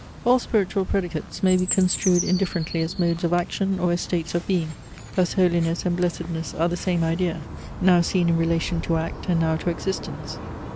All spiritual predicates may be construed indifferently as modes of Action or as states of Being, Thus Holiness and Blessedness are the same idea, now seen in relation to act and now to existence.